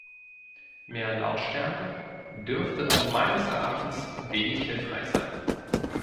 Mehr Lautstärke dürfte da meines Erachtens wenig hilfreich sein.